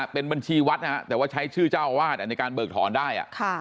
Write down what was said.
เป็นบัญชีวัดนะฮะแต่ว่าใช้ชื่อเจ้าอาวาสในการเบิกถอนได้